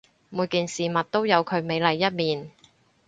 每件事物都有佢美麗一面